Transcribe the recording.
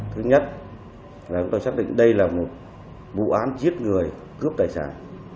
thứ nhất là chúng tôi xác định đây là một vụ án giết người cướp tài sản